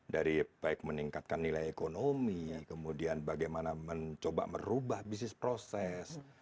dari baik meningkatkan nilai ekonomi kemudian bagaimana mencoba merubah bisnis proses